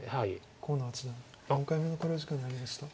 河野八段４回目の考慮時間に入りました。